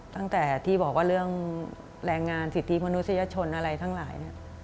ตั้งแต่ที่บอกว่าเรื่องแรงงานสิทธิมนุษยชนอะไรทั้งหลาย